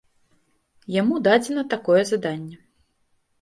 Яму дадзена такое заданне.